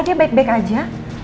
dia baik baik aja